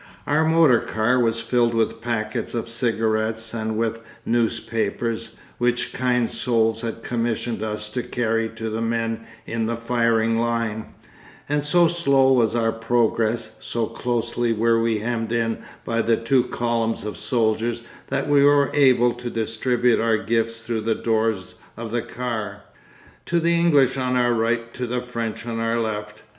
Our motor car was filled with packets of cigarettes and with newspapers, which kind souls had commissioned us to carry to the men in the firing line, and so slow was our progress, so closely were we hemmed in by the two columns of soldiers, that we were able to distribute our gifts through the doors of the car, to the English on our right, to the French on our left.